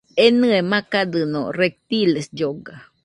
Enɨe makadɨno, reptiles lloga